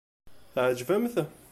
Tɛejbem-t!